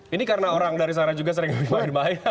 ini karena orang dari sana juga sering memiliki bahaya